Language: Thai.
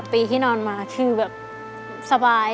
ทั้งในเรื่องของการทำงานเคยทำนานแล้วเกิดปัญหาน้อย